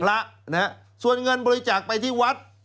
พระนะฮะส่วนเงินบริจาคไปที่วัด